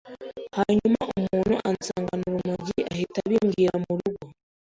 hanyura umuntu ansangana urumogi ahita abibwira mu rugo